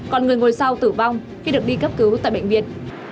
còn người ngồi sau tử vong khi được đi cấp cứu tại bệnh viện